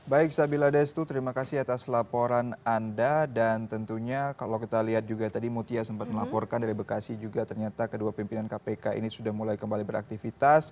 baik sabila destu terima kasih atas laporan anda dan tentunya kalau kita lihat juga tadi mutia sempat melaporkan dari bekasi juga ternyata kedua pimpinan kpk ini sudah mulai kembali beraktivitas